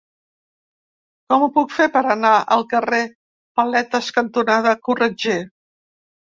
Com ho puc fer per anar al carrer Paletes cantonada Corretger?